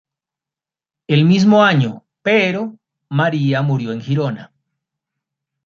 El mismo año, pero, Maria murió en Girona.